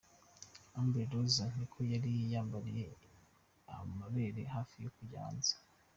Amber Rose ni uko yari yiyambariye amabere hafi kujya hanze.